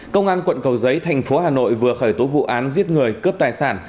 công an quận cầu giấy thành phố hà nội vừa khởi tố vụ án giết người cướp tài sản